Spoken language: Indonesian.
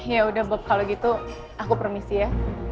ya udah bob kalau gitu aku permisi ya